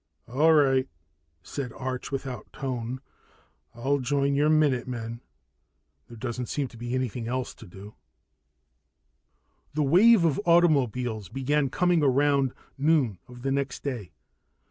"All right," said Arch without tone. "I'll join your minute men. There doesn't seem to be anything else to do." The wave of automobiles began coming around noon of the next day.